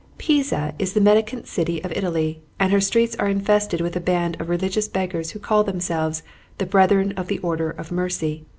Pisa is the mendicant city of Italy, and her streets are infested with a band of religious beggars who call themselves the Brethren of the Order of Mercy.